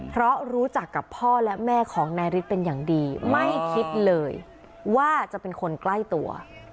เพราะรู้จักกับพ่อและแม่ของนายฤทธิ์เป็นอย่างดีไม่คิดเลยว่าจะเป็นคนใกล้ตัว